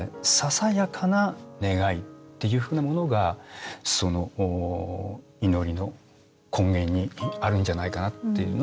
ささやかな願いっていうふうなものがその祈りの根源にあるんじゃないかなっていうのを私は思うんですね。